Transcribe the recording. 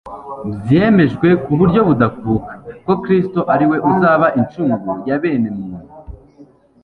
Byemejwe ku buryo budakuka ko Kristo ari we uzaba inshungu ya bene muntu.